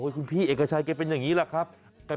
คุณพี่เอกชัยแกเป็นอย่างนี้แหละครับ